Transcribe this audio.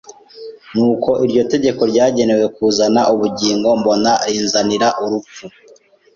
Nuko iryo tegeko ryagenewe kuzana ubugingo mbona rinzanira urupfu